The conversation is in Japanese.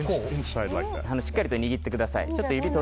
しっかりと握ってください。